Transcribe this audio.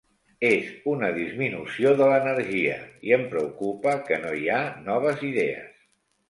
És una disminució de l'energia i em preocupa que no hi ha noves idees.